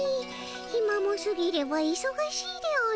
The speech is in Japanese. ひまもすぎればいそがしいでおじゃる」。